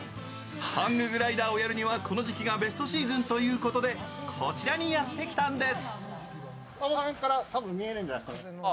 ハンググライダーをやるにはこの時期がベストシーズンということでこちらにやってきたんです。